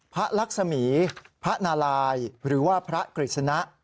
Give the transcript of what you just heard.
พระลักษมีย์พระนาลายหรือพระกฤษณะ